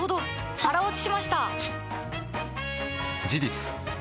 腹落ちしました！